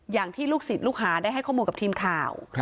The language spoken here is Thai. อย่างที่ลูกศิษย์ลูกหาได้ให้ข้อมูลกับทีมข่าว